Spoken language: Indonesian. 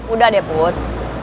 udah deh put